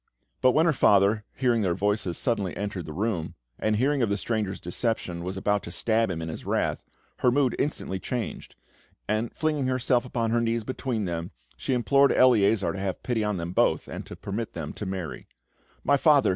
But when her father, hearing their voices, suddenly entered the room, and hearing of the stranger's deception, was about to stab him in his wrath, her mood instantly changed; and, flinging herself upon her knees between them, she implored Eleazar to have pity on them both, and to permit them to marry. "My father!